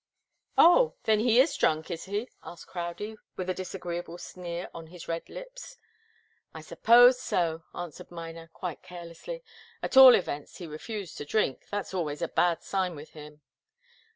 "Oh then he is drunk, is he?" asked Crowdie, with a disagreeable sneer on his red lips. "I suppose so," answered Miner, quite carelessly. "At all events, he refused to drink that's always a bad sign with him."